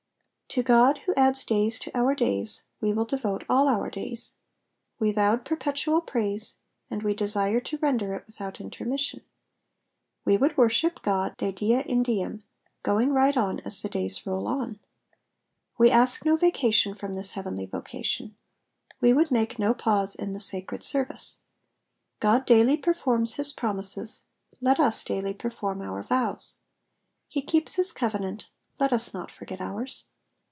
''^ To God who adds days to our days we will devote all our days. We vowed perpetual praise, and we desire to render it without intermission. We would worship God de die in diem, going right on as the days roll on. We ask no vacation from this heavenly vocation ; we would make no pause in this sacred service. God daily performs his promise;*, let us daily perform our vows : he keeps his covenant, let us not forget ours.